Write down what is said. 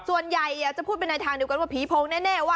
ส่วนใหญ่จะพูดไปในทางเดียวกันว่าผีโพงแน่ว่า